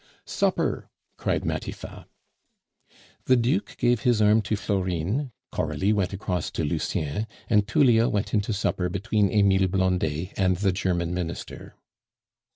"Supper!" cried Matifat. The Duke gave his arm to Florine, Coralie went across to Lucien, and Tullia went in to supper between Emile Blondet and the German Minister.